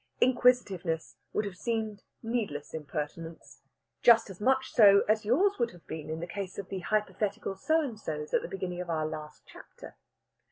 Inquisitiveness would have seemed needless impertinence just as much so as yours would have been in the case of the hypothetical So and sos at the beginning of our last chapter.